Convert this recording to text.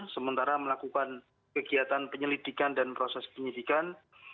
sementara melakukan kegiatan penyelidikan dan proses penyidikan